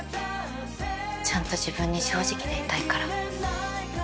ちゃんと自分に正直でいたいから。